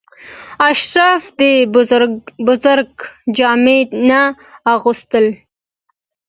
اشراف د بزګر جامې نه اغوستلې.